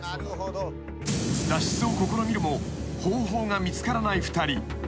［脱出を試みるも方法が見つからない２人。